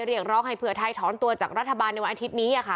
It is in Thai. เรียกร้องให้เพื่อไทยถอนตัวจากรัฐบาลในวันอาทิตย์นี้